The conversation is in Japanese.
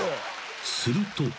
［すると］